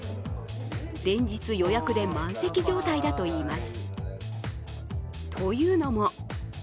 連日、予約で満席状態だといいます。